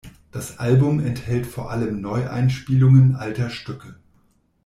Das Album enthält vor allem Neueinspielungen alter Stücke.